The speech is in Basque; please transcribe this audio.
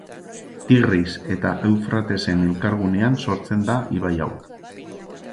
Tigris eta Eufratesen elkargunean sortzen da ibai hau.